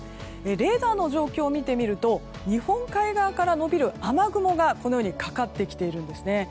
レーダーの状況を見てみると日本海側から延びる雨雲がこのようにかかってきているんですね。